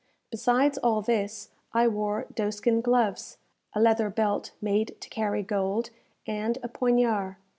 Besides all this, I wore doeskin gloves, a leather belt made to carry gold, and a poignard.